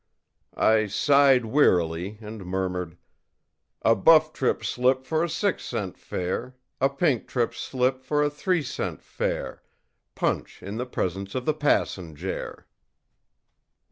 î I sighed wearily; and murmured: ìA buff trip slip for a six cent fare, a pink trip slip for a three cent fare, punch in the presence of the passenjare.